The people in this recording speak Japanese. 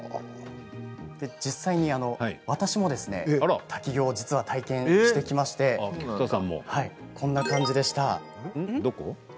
実際に私も滝行、実は体験してきましてこんな感じでした。